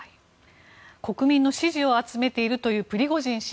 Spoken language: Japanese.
国民の支持を集めているというプリゴジン氏。